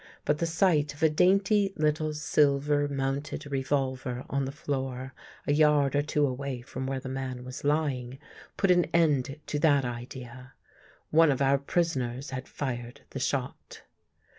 But the sight of a dainty little silver mounted revolver on the floor, a yard or two away from where the man was lying, put an end to that idea. One of our prisoners had fired the shot.